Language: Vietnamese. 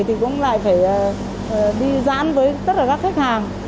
thì cũng lại phải đi giãn với tất cả các khách hàng